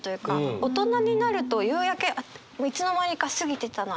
大人になると夕焼けいつの間にか過ぎてたなみたいな。